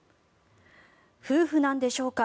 夫婦なんでしょうか。